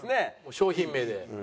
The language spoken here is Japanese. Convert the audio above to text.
商品名で。